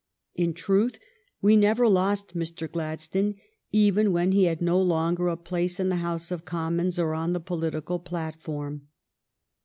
In truth, we never lost Mr. Gladstone, even when he had no longer a place in the House of Commons or on the political platform.